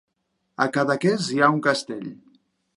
A Cadaqués hi ha un castell.